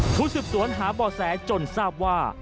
ผู้สืบสวนหาบ่อแสจนทราบว่า